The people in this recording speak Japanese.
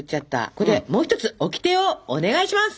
ここでもう一つオキテをお願いします！